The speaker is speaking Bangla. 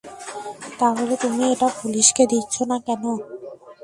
তাহলে তুমি এটা পুলিশকে দিচ্ছো না কেন?